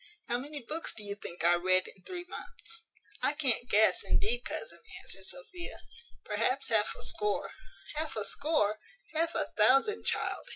How many books do you think I read in three months?" "I can't guess, indeed, cousin," answered Sophia. "Perhaps half a score." "Half a score! half a thousand, child!"